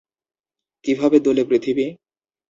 কিভাবে দোলে পৃথিবী?